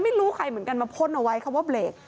ไม่รู้ใครเหมือนกันมาพ่นเอาไว้คำว่าเบรก